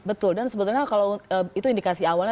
betul dan itu indikasi awalnya